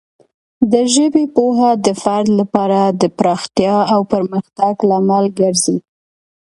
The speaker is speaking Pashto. د ژبې پوهه د فرد لپاره د پراختیا او پرمختګ لامل ګرځي.